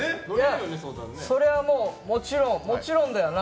それはもう、もちろんだよな。